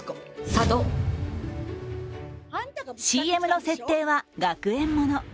ＣＭの設定は学園もの。